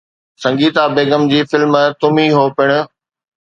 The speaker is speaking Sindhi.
سنگيتا بيگم جي فلم ’تم هي هو‘ پڻ